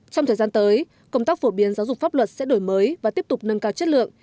trong thời gian tới công tác phổ biến giáo dục pháp luật sẽ đổi mới và tiếp tục nâng cao chất lượng